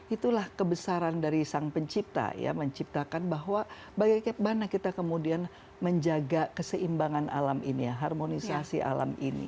itulah kebesaran dari sang pencipta ya menciptakan bahwa bagaimana kita kemudian menjaga keseimbangan alam ini ya harmonisasi alam ini